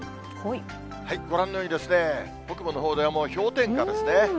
ご覧のように、北部のほうではもう氷点下ですね。